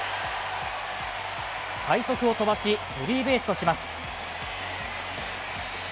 快足を飛ばしスリーベースとします。